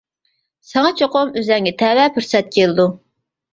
ساڭا چوقۇم ئۆزۈڭگە تەۋە پۇرسەت كېلىدۇ.